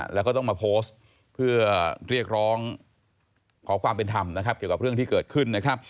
แล้วก็ต้องมาโพสต์เพื่อเรียกร้องขอความเป็นธรรมนะครับเกี่ยวกับเรื่องที่เกิดขึ้นนะครับ